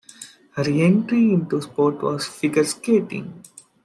Her entry into sport was figure skating.